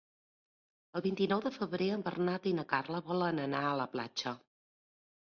El vint-i-nou de febrer en Bernat i na Carla volen anar a la platja.